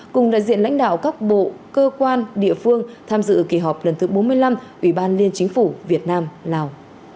cùng đại diện lãnh đạo các bộ cơ quan địa phương tham dự kỳ họp lần thứ bốn mươi năm ủy ban liên chính phủ việt nam lào